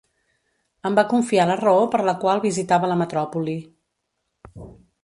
Em va confiar la raó per la qual visitava la metròpoli.